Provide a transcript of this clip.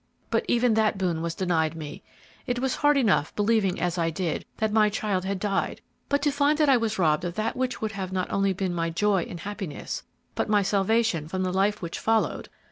But even that boon was denied me. It was hard enough, believing, as I did, that my child had died, but to find that I was robbed of that which would have been not only my joy and happiness, but my salvation from the life which followed!"